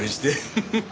フフフフ。